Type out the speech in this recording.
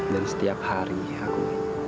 dan setiap hari aku